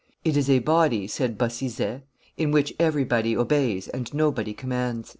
It is a body," said Bossizet, " in which everybody obeys and nobody commands."